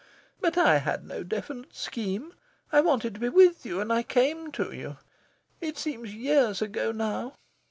But I had no definite scheme. I wanted to be with you and I came to you. It seems years ago, now!